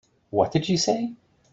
What did she say?